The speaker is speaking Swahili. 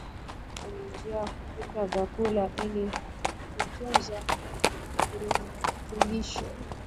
kuna njia kupika vyakuala ili kutunzaa virutubisho